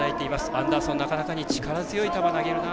アンダーソンなかなかに力強い球投げるな。